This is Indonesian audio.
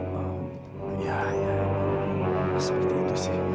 ya ya ya seperti itu sih